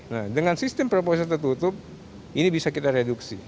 nah dengan sistem proposal tertutup ini bisa kita reduksi